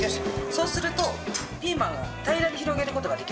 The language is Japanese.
そうするとピーマンを平らに広げる事ができるんです。